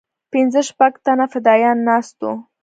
پنځه شپږ تنه فدايان ناست وو.